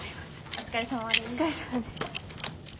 お疲れさまです。